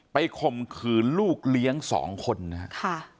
ข่มขืนลูกเลี้ยงสองคนนะครับ